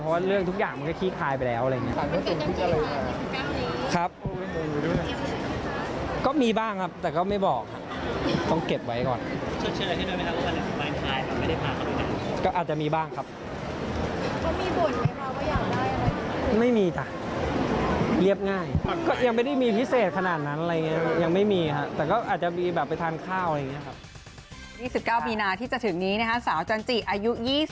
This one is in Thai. เพราะว่าเรื่องทุกอย่างมันก็ขี้คายไปแล้วอะไรอย่างนี้ค่ะ